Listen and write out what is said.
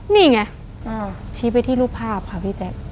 นี่ไงชี้ไปที่รูปภาพค่ะพี่แจ๊ค